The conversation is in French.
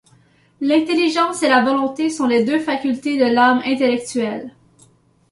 L’intelligence et la volonté sont les deux facultés de l’âme intellectuelle.